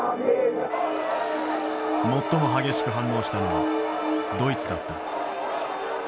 最も激しく反応したのはドイツだった。